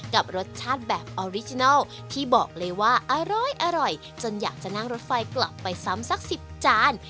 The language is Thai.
กับรสชาติแบบออริจินัลที่บอกเลยว่าอร่อยจนอยากจะนั่งรถไฟกลับไปซ้ำสัก๑๐จาน